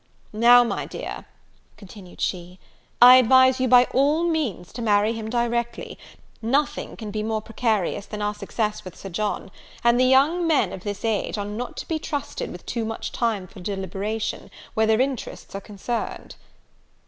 "Now, my dear," continued she, "I advise you by all means to marry him directly; nothing can be more precarious than our success with Sir John; and the young men of this age are not to be trusted with too much time for deliberation, where their interests are concerned."